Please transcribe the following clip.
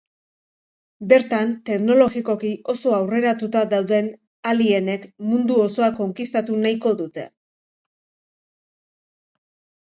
Bertan, teknologikoki oso aurreratuta dauden alienek mundu osoa konkistatu nahiko dute.